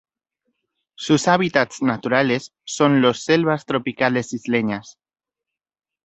Sus hábitats naturales son los selvas tropicales isleñas.